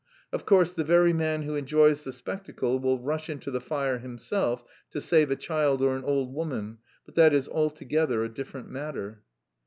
Of course, the very man who enjoys the spectacle will rush into the fire himself to save a child or an old woman; but that is altogether a different matter.